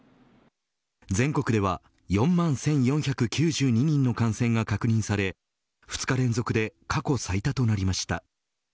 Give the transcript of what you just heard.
全国では４万１４９２人の感染が確認され２日連続で過去最多となりました。